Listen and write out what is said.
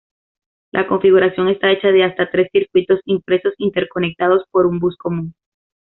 La configuración está hecha de hasta tres circuitos impresos interconectados por un bus común.